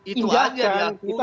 itu saja diakui